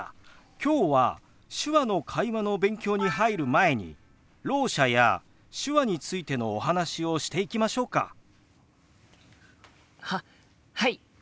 今日は手話の会話の勉強に入る前にろう者や手話についてのお話をしていきましょうか。ははい！